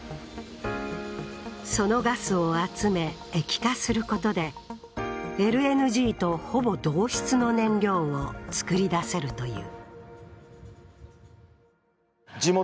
そのガスを集め液化することでＬＮＧとほぼ同質の燃料を作り出せるという。